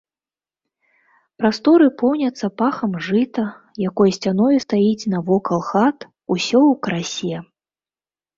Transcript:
Прасторы поўняцца пахам жыта, якое сцяною стаіць навакол хат, усё ў красе.